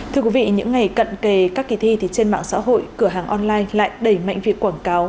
thưa quý vị những ngày cận kề các kỳ thi trên mạng xã hội cửa hàng online lại đẩy mạnh việc quảng cáo